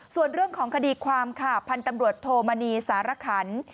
ส่วนเรื่องของคดีความค่ะพันธ์ตำรวจโทมณีสารขัน